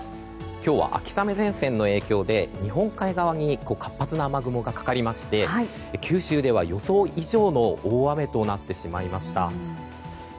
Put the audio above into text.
今日は秋雨前線の影響で日本海側に活発な雨雲がかかりまして九州では予想以上の大雨となってしまいました。